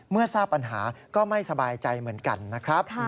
เมื่อทราบปัญหาก็ไม่สบายใจเหมือนกันนะครับ